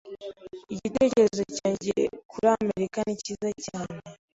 Igitekerezo cyanjye kuri Amerika ni cyiza cyane.